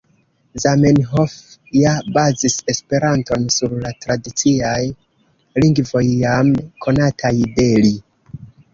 Zamenhof ja bazis Esperanton sur la tradiciaj lingvoj jam konataj de li.